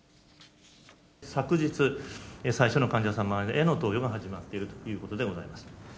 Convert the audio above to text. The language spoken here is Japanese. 昨日、最初の患者様への投与が始まっているということでございます。